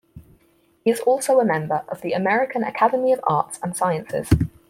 He is also a member of the American Academy of Arts and Sciences.